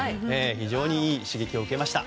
非常にいい刺激を受けました。